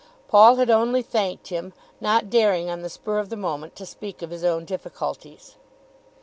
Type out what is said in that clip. Paul had only thanked him, not daring on the spur of the moment to speak of his own difficulties.